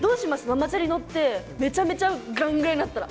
ママチャリ乗ってめちゃめちゃグラングランになったら。